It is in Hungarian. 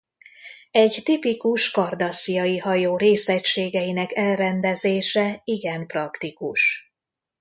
Egy tipikus kardassziai hajó részegységeinek elrendezése igen praktikus.